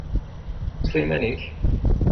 Ṭṭef iman-ik.